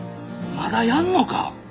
まだやんのか？